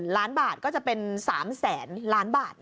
๑๕๐๐๐๐ล้านบาทก็จะเป็น๓๐๐๐๐๐ล้านบาท